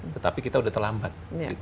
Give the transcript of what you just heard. tetapi kita sudah terlambat